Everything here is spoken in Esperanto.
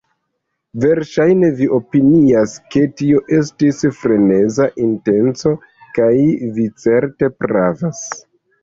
Verŝajne vi opinias, ke tio estis freneza intenco, kaj vi certe pravas.